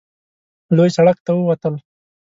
لوی سړک ته ووتل.